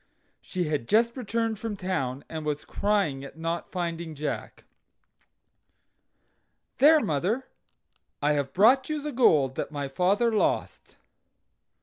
She had just returned from town, and was crying at not finding Jack. "There, mother, I have brought you the gold that my father lost."